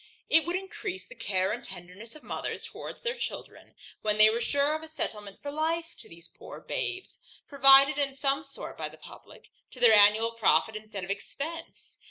It would encrease the care and tenderness of mothers towards their children, when they were sure of a settlement for life to the poor babes, provided in some sort by the publick, to their annual profit instead of expence.